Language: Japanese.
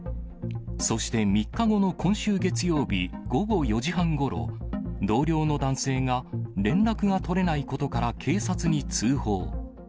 そして３日後の今週月曜日午後４時半ごろ、同僚の男性が連絡が取れないことから、警察に通報。